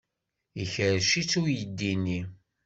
Ikerrec-itt uydi-nni.